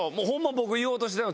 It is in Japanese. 僕言おうとしてたの。